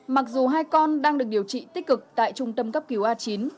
mặc dù hai con đang được điều trị tích cực tại trung tâm cấp cứu a chín